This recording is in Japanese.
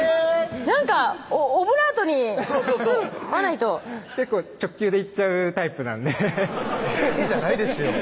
なんかオブラートに包まないと直球でいっちゃうタイプなんでエヘヘ「エヘヘ」じゃないですよ